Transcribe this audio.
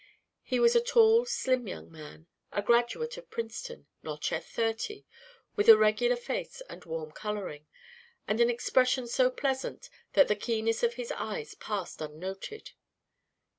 He was a tall slim young man, a graduate of Princeton, not yet thirty, with a regular face and warm colouring, and an expression so pleasant that the keenness of his eyes passed unnoted.